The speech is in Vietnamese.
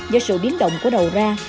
do sự biến động của đầu ra